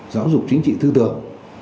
giáo dục chính trị thư tưởng